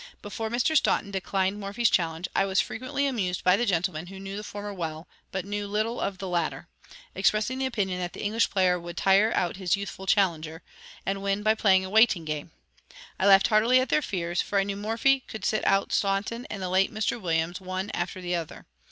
Before Mr. Staunton declined Morphy's challenge, I was frequently amused by gentlemen who knew the former well, but knew little of the latter, expressing the opinion that the English player would tire out his youthful challenger, and win by playing "a waiting game." I laughed heartily at their fears, for I knew Morphy could sit out Staunton and the late Mr. Williams one after the other.